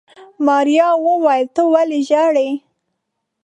ماريا وويل ته ولې ژاړې.